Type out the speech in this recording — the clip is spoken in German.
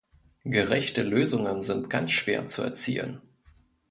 Gerechte Lösungen sind ganz schwer zu erzielen.